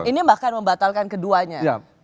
ini bahkan membatalkan keduanya